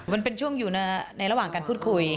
มันเป็นช่วงอยู่ในระหว่างการพูดคุย